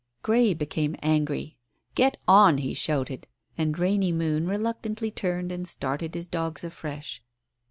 Grey became angry. "Get on," he shouted. And Rainy Moon reluctantly turned and started his dogs afresh.